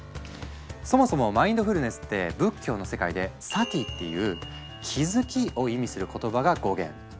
そもそも「マインドフルネス」って仏教の世界で「Ｓａｔｉ」っていう「気づき」を意味する言葉が語源。